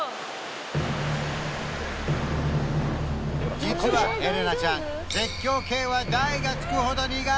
実はエレナちゃん絶叫系は大がつくほど苦手